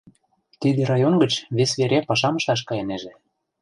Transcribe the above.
Тиде район гыч вес вере пашам ышташ кайынеже.